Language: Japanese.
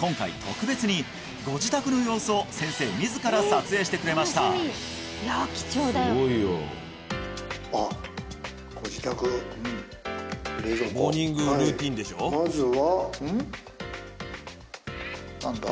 今回特別にご自宅の様子を先生自ら撮影してくれましたあっご自宅冷蔵庫まずは何だ？